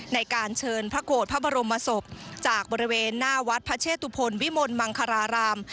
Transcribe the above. ในการเชิญพระโกรธพระบรมศพจากบริเวณหน้าวัดพระเชตุพลวิมลมังคาราราม